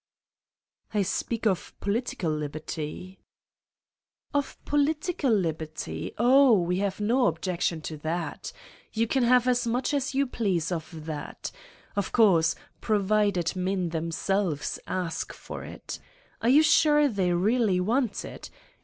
"I speak of political liberty." "Of political liberty? Oh, we have no objec tion to that. You can have as much as you please of that ! Of course, provided men themselves ask for it. Are you sure they really want it?